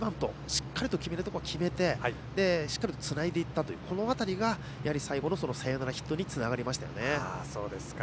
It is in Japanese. しっかり決めるところを決めてしっかりつないでいったというこの辺りが最後のサヨナラヒットにつながりましたよね。